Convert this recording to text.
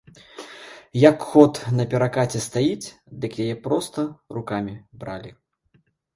Як ход, на перакаце стаіць, дык яе проста рукамі бралі.